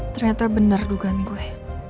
ternyata benar dugaan gue